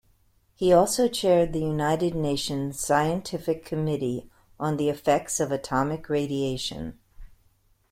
He also chaired the United Nations Scientific Committee on the Effects of Atomic Radiation.